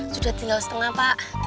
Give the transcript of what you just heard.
sudah tinggal setengah pak